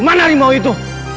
mana harimau itu